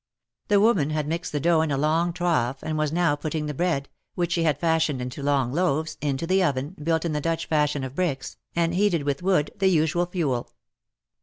The woman had mixed the dough in a long trough and was now putting the bread — which she had fashioned into long loaves — into the oven, built in the Dutch fashion of bricks, and heated with wood, the usual fuel.